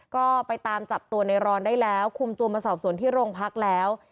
ก็ไปตามจับตัวในรอนได้แล้วคุมตัวมาสอบสวนที่โรงพักแล้ว